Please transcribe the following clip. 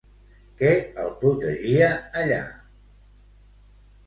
Què el protegia allà?